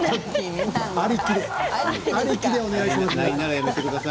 ありきでお願いします。